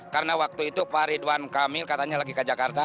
karena waktu itu pak ridwan kamil katanya lagi ke jakarta